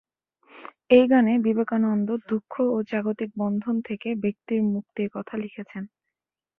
এই গানে বিবেকানন্দ দুঃখ ও জাগতিক বন্ধন থেকে ব্যক্তির মুক্তির কথা লিখেছেন।